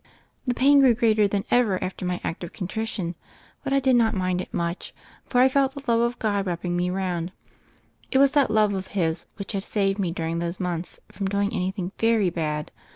The pain grew greater than ever after my act of contrition; but I did not mind it much, for I felt the love of God wrapping me round. It was that love of His which had saved me during those months from doing anything very bad.